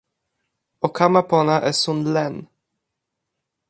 o kama pona esun len.